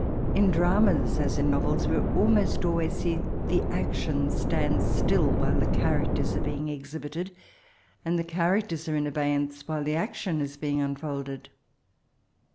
In dramas, as in novels, we almost always see that the action stands still while the charact^s are being exhibited, and the characters are in abeyance while the action is being unfolded.